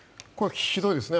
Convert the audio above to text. ひどいですね。